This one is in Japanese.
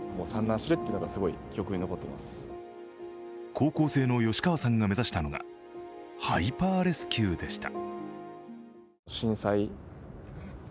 高校生の吉川さんが目指したのがハイパーレスキューでした。